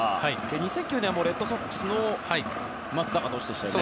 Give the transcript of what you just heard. ２００９年ではレッドソックスの松坂投手で。